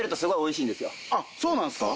あっそうなんすか？